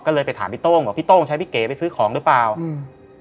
ก็เลยไปถามพี่โต้งบอกพี่โต้งใช้พี่เก๋ไปซื้อของหรือเปล่าอืม